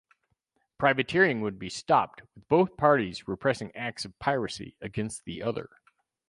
Privateering would be stopped, with both parties repressing acts of piracy against the other.